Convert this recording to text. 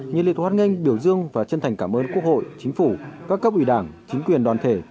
như liệt hoát ngay biểu dương và chân thành cảm ơn quốc hội chính phủ các cấp ủy đảng chính quyền đoàn thể